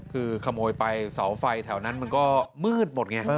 คือขโมยไปเสาไฟแถวนั้นมันก็มืดหมดไง